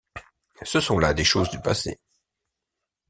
Ce sont là des choses du passé.